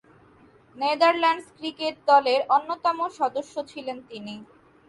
Netherlands cricket দলের অন্যতম সদস্য ছিলেন তিনি।